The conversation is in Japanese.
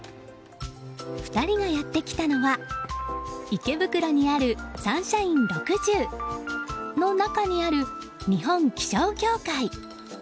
２人がやってきたのは池袋にあるサンシャイン６０の中にある、日本気象協会。